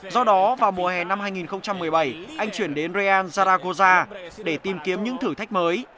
do đó vào mùa hè năm hai nghìn một mươi bảy anh chuyển đến realan zaragoza để tìm kiếm những thử thách mới